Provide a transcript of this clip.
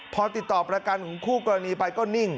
พอติดต่อประกันของคู่กรณีไปก็นิ่ง